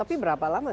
tapi berapa lama